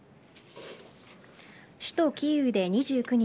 首都・キーウで２９日